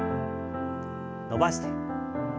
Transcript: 伸ばして。